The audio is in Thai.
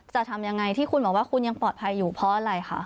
จะทำยังไงที่คุณบอกว่าคุณยังปลอดภัยอยู่เพราะอะไรคะ